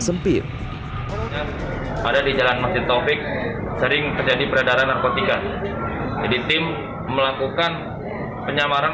sempit ada di jalan masjid taufik sering terjadi peredaran narkotika jadi tim melakukan penyamaran